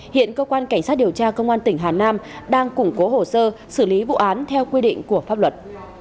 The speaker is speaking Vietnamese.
hiện cơ quan cảnh sát điều tra công an tỉnh hà nam đang củng cố hồ sơ xử lý vụ án theo quy định của pháp luật